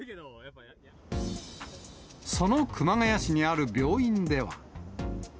その熊谷市にある病院では。